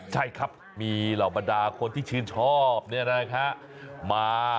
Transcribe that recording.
ใช่ครับมีเหล่าบรรดาคนที่ชื่นชอบเนี่ยนะคะ